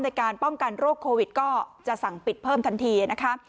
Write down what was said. ในการป้องกันโรคโควิดก็จะสั่งปิดเพิ่มทันทีนะคะ